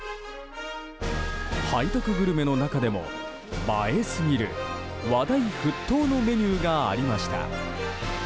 背徳グルメの中でも映えすぎる話題沸騰のメニューがありました。